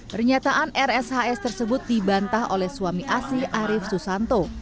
pernyataan rshs tersebut dibantah oleh suami asih arief susanto